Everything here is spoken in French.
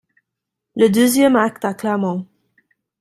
Le deuxième acte à Clermont.